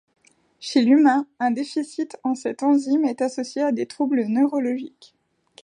Chez l'humain, un déficit en cette enzyme est associé à des troubles neurologiques.